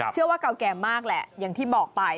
เชื่อว่าเก่าแก่มากแหละอย่างที่บอกไป